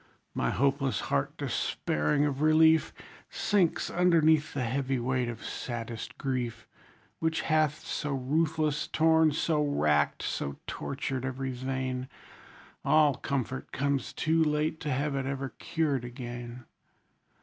My hopeless heart, despairing of relief, Sinks underneath the heavy weight of saddest grief; Which hath so ruthless torn, so racked, so tortured every vein, All comfort comes too late to have it ever cured again.